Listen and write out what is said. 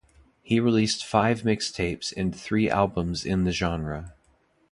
He released five mixtapes and three albums in the genre.